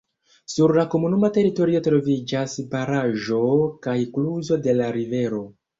Sur la komunuma teritorio troviĝas baraĵo kaj kluzo de la rivero.